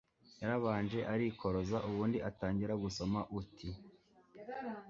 yarabanje arikoroza ubundi atangira gusoma uti…